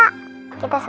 kita semua tertawa